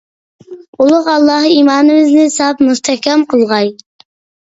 ئۇلۇغ ئاللاھ ئىمانىمىزنى ساپ، مۇستەھكەم قىلغاي!